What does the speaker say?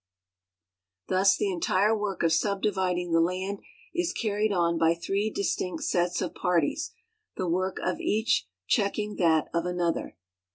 Thus the entire work of subdividing the land is carried on by three distinct sets of parties, the work of each checking that of another.